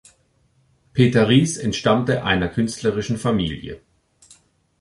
Peter Ries entstammte einer künstlerischen Familie.